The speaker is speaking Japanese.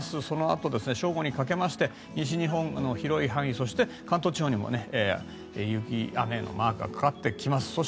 そのあと、正午にかけまして西日本の広い範囲そして、関東地方にも雪、雨のマークがかかってきます。